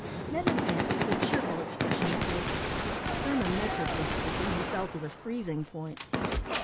Ned advanced with a cheerful expression of face. Thermometrically speaking, he fell to the freezing point.